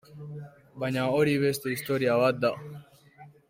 Baina hori beste historia bat da.